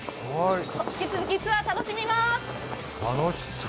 引き続きツアー楽しみます！